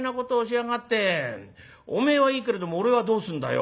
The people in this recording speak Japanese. お前はいいけれども俺はどうするんだよ。